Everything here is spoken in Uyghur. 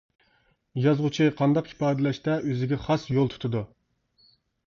يازغۇچى قانداق ئىپادىلەشتە ئۆزىگە خاس يول تۇتىدۇ.